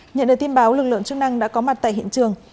nhận được tin báo lực lượng chức năng đã có mặt tại hiện trường